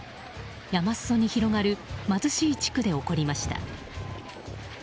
山裾に広がる貧しい地区で起こりました。